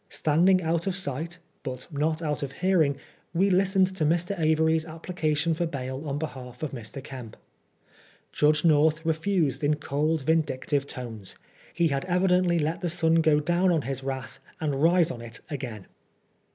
Standing out of sight, but not out of hear ing, we listened to Mr. Avory's application for bail on behalf of Mr. Eemp. Judge North refused in cold, vindictive tones ; he had evidently let the sun go down on his wrath, and rise on it again.